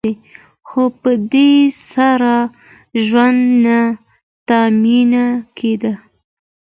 خو په دې سره ژوند نه تأمین کیده.